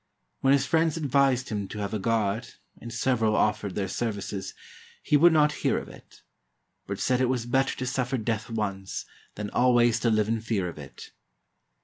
When his friends advised him to have a guard, and several offered their services, he would not hear of it; but said it was better to suffer death once, than always to live in fear of it.